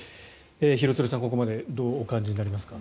廣津留さん、ここまでどうお感じになりますか？